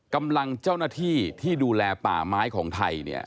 กำลังเจ้าหน้าที่ที่ดูแลป่าไม้ของไทยเนี่ย